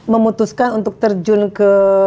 memutuskan untuk terjun ke